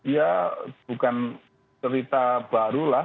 ya bukan cerita barulah